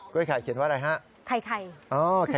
กล้วยข่ายเขียนว่าอะไรฮะ